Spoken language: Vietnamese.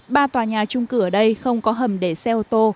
ba tòa nhà trung cử ở đây không có hầm để xe ô tô